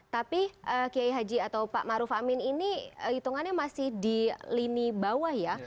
tapi kiai haji atau pak maruf amin ini hitungannya masih di lini bawah ya